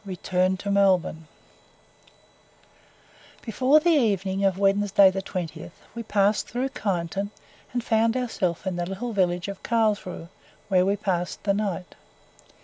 RETURN TO MELBOURNE Before the evening of Wednesday the 20th, we passed through Kyneton, and found ourselves in the little village of Carlshrue, where we passed the night.